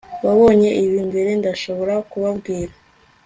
wabonye ibi mbere, ndashobora kubabwira